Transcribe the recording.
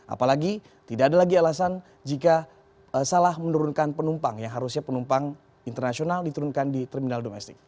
apalagi tidak ada lagi alasan jika salah menurunkan penumpang yang harusnya penumpang internasional diturunkan di terminal domestik